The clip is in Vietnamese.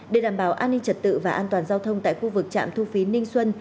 để đảm bảo an ninh trật tự và an toàn giao thông tại khu vực trạm thu phí ninh xuân